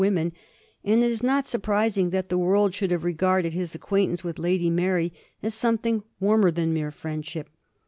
women, and it is not surprising that the world should have regarded his acquaintanceship with Lady Mary as something warmer than mere friendship.